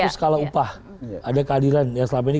skala upah ada kehadiran yang selama ini